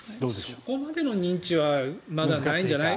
そこまでの認知はまだないんじゃない。